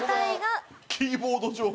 キーボード上の。